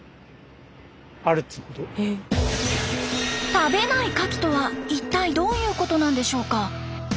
食べないカキとは一体どういうことなんでしょうか？